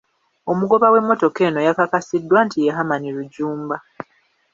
Omugoba w'emmotoka eno yakakasiddwa nti ye Haman Rujjumba.